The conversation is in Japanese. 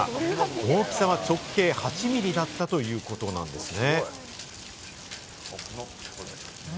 大きさは直径８ミリだったということなんですね。